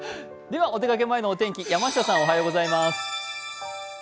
お出かけ前のお天気、山下さん、おはようございます。